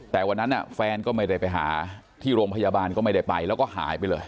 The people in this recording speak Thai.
แต่วันนั้นแฟนก็ไม่ได้ไปหาที่โรงพยาบาลก็ไม่ได้ไปแล้วก็หายไปเลย